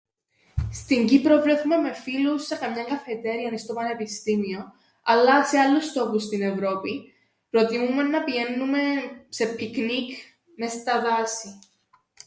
Στην Κύπρο βρέθουμαι με φίλους σε καμιάν καφετέριαν ή στο πανεπιστήμιον, αλλά σε άλλους τόπους στην Ευρώπην προτιμούμεν να πηαίννουμεν σε ππικνίκ μες στα δάση.